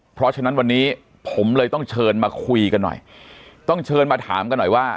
เพราะฉะนั้นวันนี้ผมเลยต้องเชิญมาคุยกันหน่อยต้องเชิญมาถามกันหน่อยว่า